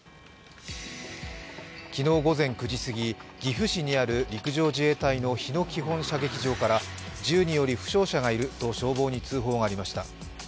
昨日午前９時過ぎ、岐阜市にある陸上自衛隊の日野基本射撃場から銃により、負傷者がいると消防に通報がありました。